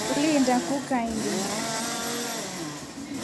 Uliinda kuu kaindi?